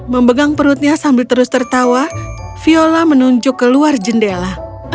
memegang perutnya sambil terus tertawa viola menunjuk keluar jendela